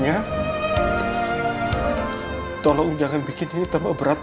dangersa sulim també dalam beberapa penyakit yangpolitik di situ